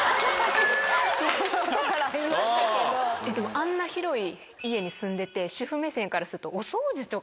あんな広い家に住んでて主婦目線からすると。